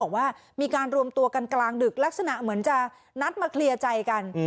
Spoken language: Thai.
บอกว่ามีการรวมตัวกันกลางดึกลักษณะเหมือนจะนัดมาเคลียร์ใจกัน